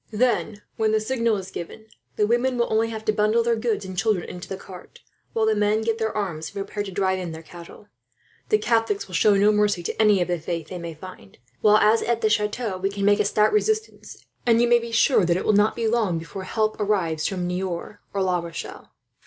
Then, when the signal is given, the women will only have to bundle their goods and children into the cart; while the men get their arms, and prepare to drive in their cattle. "The Catholics will show no mercy to any of the faith they may find; while as to the chateau, it can make a stout resistance, and you may be sure that it will not be long before help arrives, from Niort or La Rochelle."